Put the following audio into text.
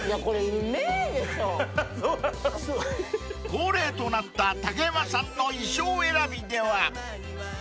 ［恒例となった竹山さんの衣装選びでは］